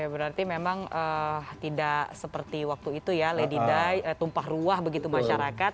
berarti memang tidak seperti waktu itu ya lady die tumpah ruah begitu masyarakat